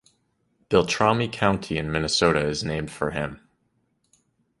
Beltrami County in Minnesota is named for him.